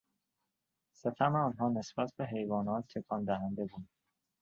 ستم آنها نسبت به حیوانات تکان دهنده بود.